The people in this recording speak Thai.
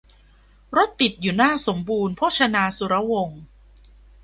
รถติดอยู่หน้าสมบูรณ์โภชนาสุรวงศ์